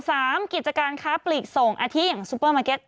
กิจการค้าปลีกส่งอาทิตอย่างซูเปอร์มาร์เก็ต